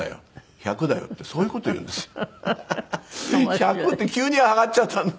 １００って急に上がっちゃったの。